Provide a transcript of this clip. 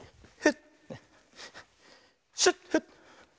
シュッフッ！